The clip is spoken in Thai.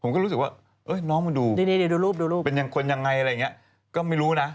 ผมก็รู้สึกว่าน้องมาดูเป็นคนยังไงอะไรอย่างนี้ก็ไม่รู้นะ